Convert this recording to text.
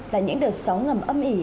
là những đợt sóng ngầm âm ỉ